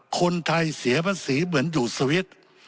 คนไทยเสียภาษีเหมือนอยู่สวิตช์